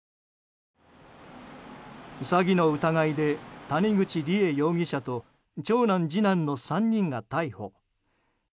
詐欺の疑いで谷口梨恵容疑者と長男、次男の３人が逮捕。